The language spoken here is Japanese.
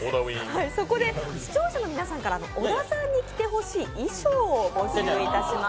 そこで視聴者の皆さんから小田さんに着てほしい衣装を募集します。